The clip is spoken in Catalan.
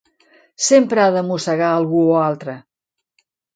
Sempre ha de mossegar algú o altre.